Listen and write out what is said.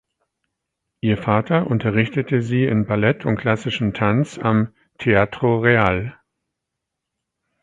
Ihr Vater unterrichtete sie in Ballett und klassischem Tanz am "Teatro Real".